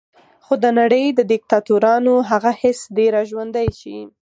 خو د نړۍ د دیکتاتورانو هغه حس دې را ژوندی شي.